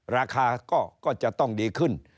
ราคาก็จะต้องดีขึ้น